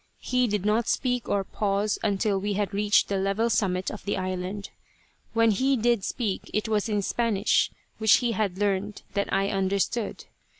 He did not speak or pause until we had reached the level summit of the island. When he did speak it was in Spanish, which he had learned that I understood.